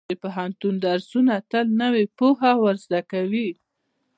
د پوهنتون درسونه تل نوې پوهه ورزده کوي.